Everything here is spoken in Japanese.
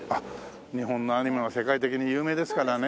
日本のアニメは世界的に有名ですからね。